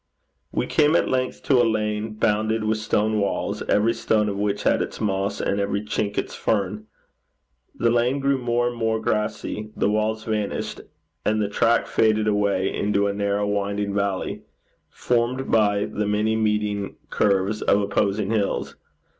We came at length to a lane bounded with stone walls, every stone of which had its moss and every chink its fern. The lane grew more and more grassy; the walls vanished; and the track faded away into a narrow winding valley, formed by the many meeting curves of opposing hills.